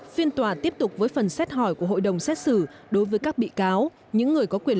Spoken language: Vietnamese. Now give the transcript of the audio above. phiên tòa tiếp tục với phần xét hỏi của hội đồng xét xử đối với các bị cáo những người có quyền